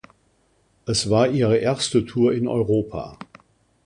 Es war ihre erste Tour in Europa.